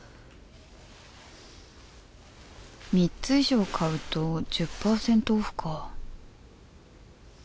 ３つ以上買うと １０％ オフか